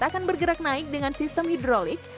akan bergerak naik dengan sistem hidrolik